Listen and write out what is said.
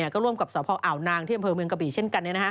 ก็ร่วมกับสพอ่าวนางที่อำเภอเมืองกะบี่เช่นกัน